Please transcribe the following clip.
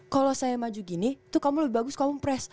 kalau saya maju gini tuh kamu lebih bagus kamu pres